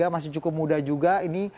masih cukup muda juga